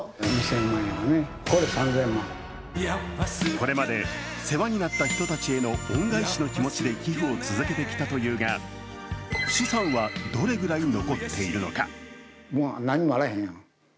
これまで世話になった人たちへの恩返しの気持ちで寄付を続けてきたというが、資産はどれぐらい残っているのか。